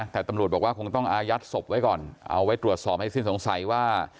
แต่ตำรวจบอกว่าคงต้องอายัดศพไว้ก่อนเอาไว้ตรวจสอบให้สิ้นสงสัยว่า